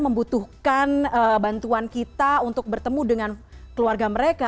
membutuhkan bantuan kita untuk bertemu dengan keluarga mereka